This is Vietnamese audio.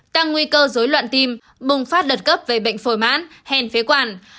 tăng nguy cơ dối loạn tim bùng phát đợt cấp về bệnh phổi mãn hèn phế quản